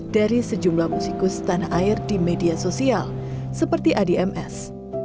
dari sejumlah musikus tanah air di media sosial seperti adms